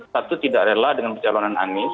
satu tidak rela dengan pencalonan anies